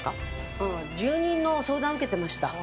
ああ住人の相談を受けてました。